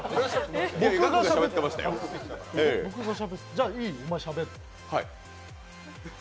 じゃあいいよ、お前しゃべって。